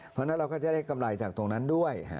เพราะฉะนั้นเราก็จะได้กำไรจากตรงนั้นด้วย